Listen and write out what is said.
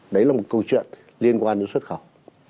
đấy là một câu chuyện liên quan đến xuất khẩu